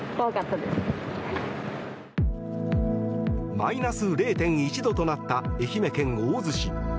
マイナス０．１度となった愛媛県大洲市。